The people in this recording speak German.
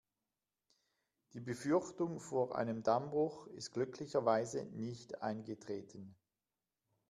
Die Befürchtung vor einem Dammbruch ist glücklicherweise nicht eingetreten.